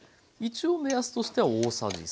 一応目安としては大さじ３。